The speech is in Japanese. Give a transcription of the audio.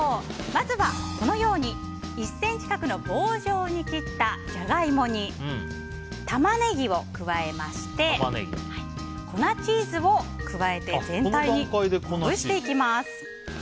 まずは１ｃｍ角の棒状に切ったジャガイモにタマネギを加えまして粉チーズを加えて全体にまぶしていきます。